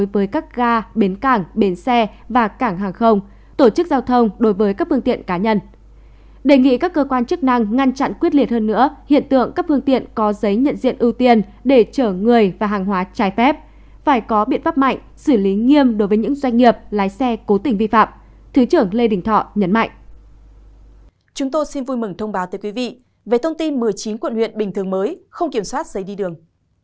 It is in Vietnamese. về thông tin một mươi chín quận huyện bình thường mới không kiểm soát giấy đi đường